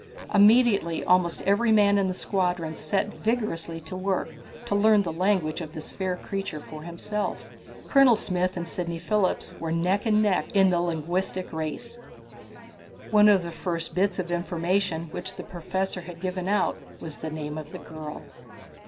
Immediately almost every man in the squadron set vigorously at work to learn the language of this fair creature for himself. Colonel Smith and Sidney Phillips were neck and neck in the linguistic race. One of the first bits of information which the Professor had given out was the name of the girl.